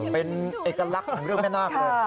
เป็นเอกลักษณ์ของเรื่องแม่นาคเลย